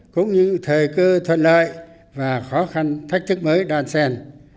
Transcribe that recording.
cũng như thời cơ thuận lợi và khó khăn thách thức mới đàn sèn